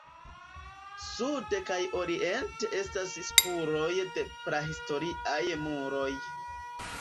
Sude kaj oriente estas spuroj de prahistoriaj muroj.